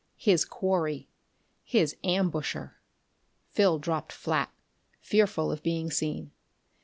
His quarry his ambusher! Phil dropped flat, fearful of being seen.